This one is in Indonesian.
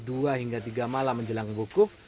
dua hingga tiga malam menjelang wukuf